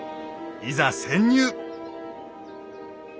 いざ潜入！